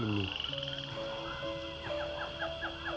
dengan kakek yang tua rentas seperti ini